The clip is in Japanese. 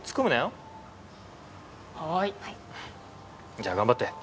じゃあ頑張って。